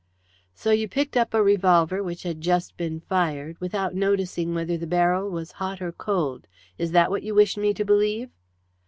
"So you picked up a revolver which had just been fired, without noticing whether the barrel was hot or cold. Is that what you wish me to believe?"